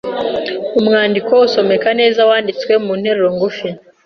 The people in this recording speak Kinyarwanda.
Umwandiko Usomeka neza wanditswe mu nteruro ngufi.